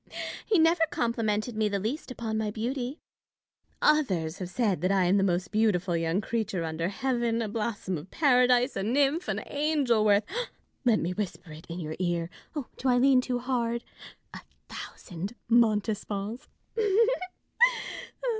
He never complimented me the least upon my beauty. Others have said that I am the most beautiful young creature under heaven ; a blossom of Paradise, a nymph, an angel ; worth (let me whisper it in your ear — do I lean too hard ■?) a thousand Montespans.